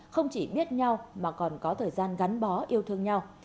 không chỉ biết nhau mà còn có thời gian gắn bó yêu thương nhau